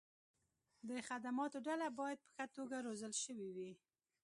د خدماتو ډله باید په ښه توګه روزل شوې وي.